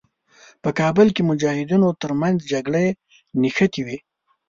په کابل کې د مجاهدینو تر منځ جګړې نښتې وې.